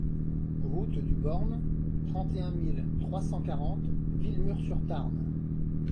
Route du Born, trente et un mille trois cent quarante Villemur-sur-Tarn